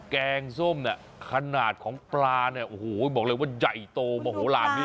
แกงส้มขนาดของปลาเนี่ยบอกเลยว่าใหญ่โตมาห่วโหล่านี่